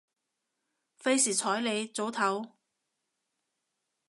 費事睬你，早唞